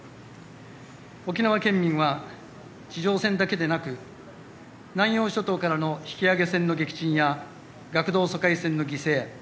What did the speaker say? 沖縄県民は地上戦だけでなく南洋諸島からの引き揚げ船の撃沈や学童疎開船の犠牲